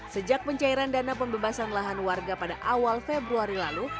sejak pencairan dana pembebasan lahan warga pada awal februari lalu